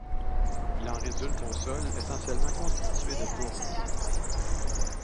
Il en résulte un sol essentiellement constitué de tourbe.